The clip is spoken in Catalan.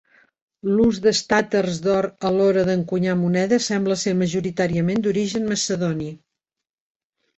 L'ús d'estàters d'or a l'hora d'encunyar monedes sembla ser majoritàriament d'origen macedoni.